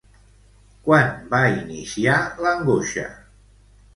Quan va iniciar l'angoixa?